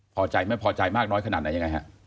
พอใจไม่พอใจมากน้อยขนาดไหนยังไงฮะ